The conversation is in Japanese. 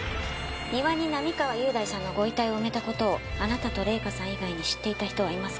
庭に並河優大さんのご遺体を埋めた事をあなたと礼香さん以外に知っていた人はいますか？